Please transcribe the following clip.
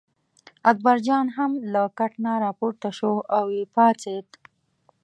اکبرجان هم له کټ نه راپورته شو او یې پاڅېد.